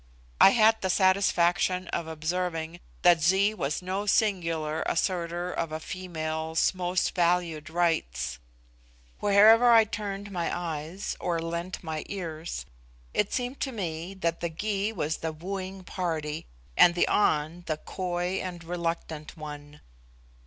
I had the satisfaction of observing that Zee was no singular assertor of a female's most valued rights. Wherever I turned my eyes, or lent my ears, it seemed to me that the Gy was the wooing party, and the An the coy and reluctant one.